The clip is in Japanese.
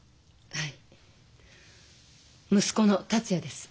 はい。